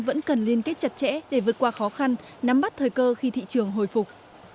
vẫn cần liên kết chặt chẽ để vượt qua khó khăn nắm bắt thời cơ khi thị trường hồi phục